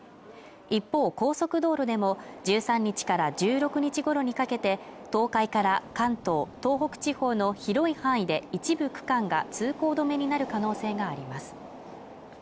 一方高速道路でも１３日から１６日ごろにかけて東海から関東東北地方の広い範囲で一部区間が通行止めになる可能性があります